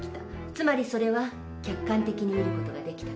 つまりそれは客観的に見る事ができたから。